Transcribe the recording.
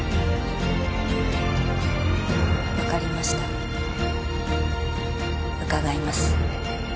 分かりました伺います